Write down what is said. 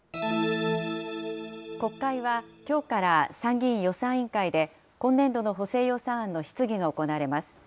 国会は、きょうから参議院予算委員会で、今年度の補正予算案の質疑が行われます。